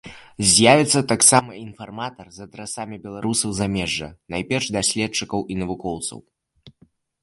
З'явіцца таксама інфарматар з адрасамі беларусаў замежжа, найперш даследчыкаў і навукоўцаў.